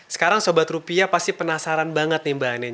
sekarang sobat rupiah pasti penasaran banget nih mbak anin